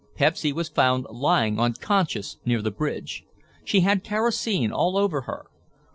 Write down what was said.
Pepsy was found lying unconscious near the bridge. She had kerosene all over her.